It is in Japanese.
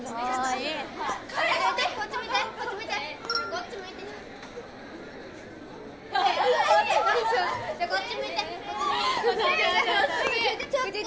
こっち向いて！